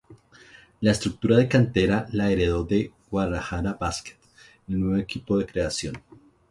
La estructura de cantera la heredó el Guadalajara Basket, un equipo de nueva creación.